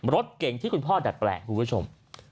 รถเก่งที่คุณพ่อดัดแปลงคุณผู้ชม